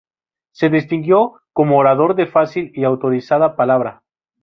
Se distinguió como orador de fácil y autorizada palabra.